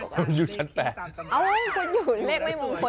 โอ้คุณอยู่เลขนี้ไม่มองควรอีก